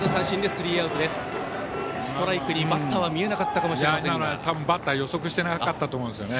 ストライクにバッターは見えなかったかもしれませんが。